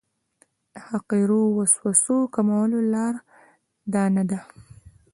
د حقیرو وسوسو کمولو لاره دا نه ده.